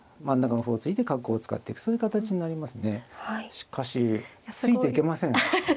しかしついていけません。